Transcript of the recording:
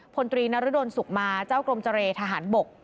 พลตรีนรดลสุขมาเจ้ากรมเจรทหารบก